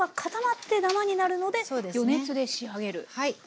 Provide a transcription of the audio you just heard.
はい。